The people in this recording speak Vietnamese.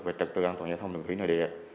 về trật tựa an toàn giao thông đường thủy nội địa